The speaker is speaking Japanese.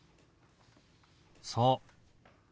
そう。